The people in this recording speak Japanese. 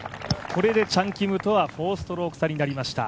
これでチャン・キムとは４ストローク差となりました。